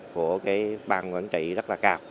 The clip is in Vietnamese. của cái bang quản trị rất là cao